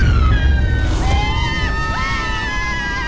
aduh aduh aduh aduh